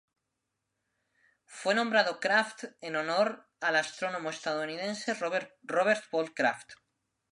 Fue nombrado Kraft en honor al astrónomo estadounidense Robert Paul Kraft.